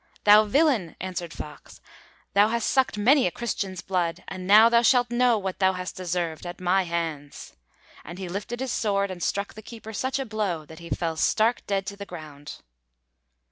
'Thou villain!' answered Fox, 'thou hast sucked many a Christian's blood, and now thou shalt know what thou hast deserved at my hands,' and he lifted his sword and struck the keeper such a blow that he fell stark dead to the ground.